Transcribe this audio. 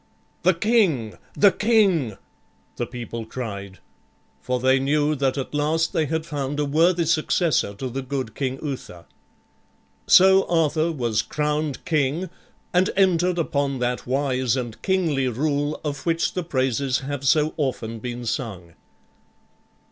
"The king, the king!" the people cried; for they knew that at last they had found a worthy successor to the good King Uther. So Arthur was crowned king and entered upon that wise and kingly rule of which the praises have so often been sung.